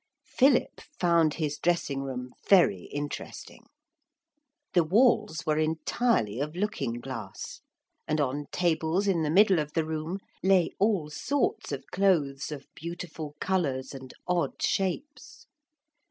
Philip found his dressing room very interesting. The walls were entirely of looking glass, and on tables in the middle of the room lay all sorts of clothes of beautiful colours and odd shapes.